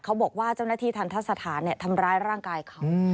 บอกว่าเจ้าหน้าที่ทันทะสถานทำร้ายร่างกายเขา